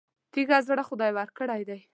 تېږه زړه خدای ورکړی دی.